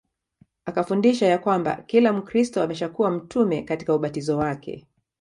Akafundisha ya kwamba kila Mkristo ameshakuwa mtume katika ubatizo wake